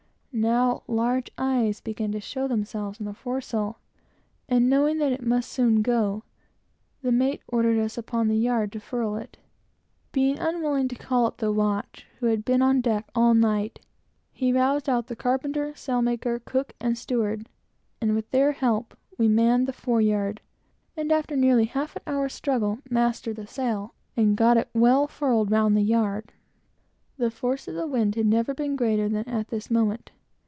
Now large eyes began to show themselves in the foresail, and knowing that it must soon go, the mate ordered us upon the yard to furl it. Being unwilling to call up the watch who had been on deck all night, he roused out the carpenter, sailmaker, cook, steward, and other idlers, and, with their help, we manned the foreyard, and after nearly half an hour's struggle, mastered the sail, and got it well furled round the yard. The force of the wind had never been greater than at this moment.